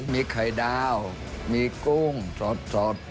มีไข่ดาวมีกุ้งสด